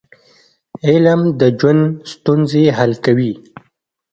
علم د ژوند ستونزې حل کوي.